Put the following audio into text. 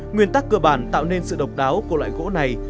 nguyên tắc cơ bản tạo nên sự độc đáo của loại gỗ này